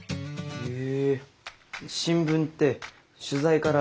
へえ。